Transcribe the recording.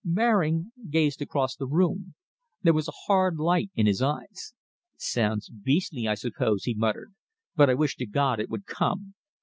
Baring gazed across the room. There was a hard light in his eyes. "Sounds beastly, I suppose," he muttered, "but I wish to God it would come!